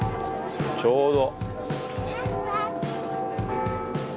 ちょうど。